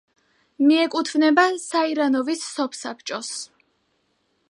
მიეკუთვნება საირანოვის სოფსაბჭოს.